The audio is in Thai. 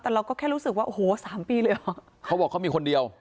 แต่เราก็แค่รู้สึกว่าโอ้โหสามปีเลยเหรอเขาบอกเขามีคนเดียว